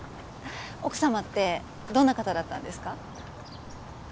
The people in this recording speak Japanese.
奥様ってどんな方だったんですか？